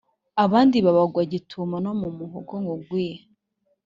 Abandi babagwa gitumo no mu muhogo ngo gwi